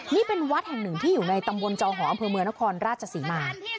นี่เป็นวัดแห่งหนึ่งที่อยู่ในตำบลจอหออำเภอเมืองนครราชศรีมา